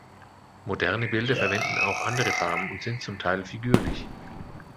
Moderne Bilder verwenden auch andere Farben und sind zum Teil figürlich.